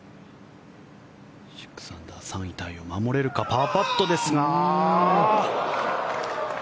６アンダー３位タイを守れるかですが。